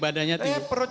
beda ini tetap kurusin